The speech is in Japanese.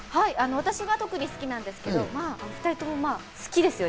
私が特に好きなんですけど２人ともまあ好きですよね。